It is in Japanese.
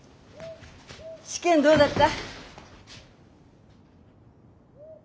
試験どうだった？